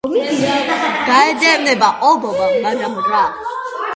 გაედევნებოდა ობობა , მაგრამ რა!